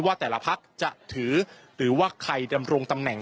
ว่าแต่ละพักจะถือหรือว่าใครดำรงตำแหน่ง